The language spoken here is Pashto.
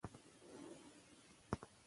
پلار نوم: محمد عارف